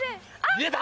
見えた。